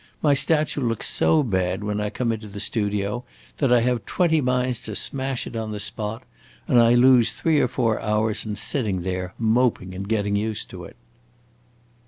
My statue looks so bad when I come into the studio that I have twenty minds to smash it on the spot, and I lose three or four hours in sitting there, moping and getting used to it."